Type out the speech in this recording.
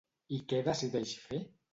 I què decideix fer?